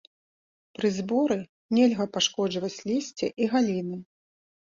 Пры зборы нельга пашкоджваць лісце і галіны.